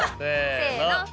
せの。